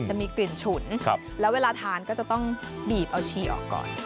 จะมีกลิ่นฉุนแล้วเวลาทานก็จะต้องบีบเอาชีออกก่อน